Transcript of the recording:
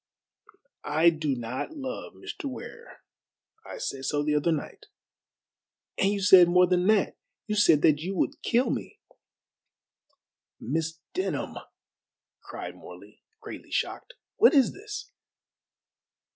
"I do not love Mr. Ware. I said so the other night." "And you said more than that. You said that you would kill me." "Miss Denham," cried Morley, greatly shocked, "what is this?"